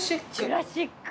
ジュラシック！